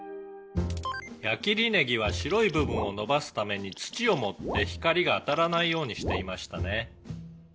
「矢切ねぎは白い部分を伸ばすために土を盛って光が当たらないようにしていましたね」